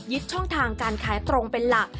ช่องทางการขายตรงเป็นหลัก